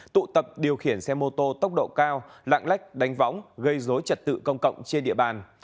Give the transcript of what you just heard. tụ tập điều khiển xe mô tô tốc độ cao lạng lách đánh võng gây dối trật tự công cộng trên địa bàn